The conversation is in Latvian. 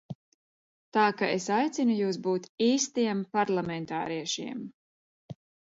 Tā ka es aicinu jūs būt īstiem parlamentāriešiem!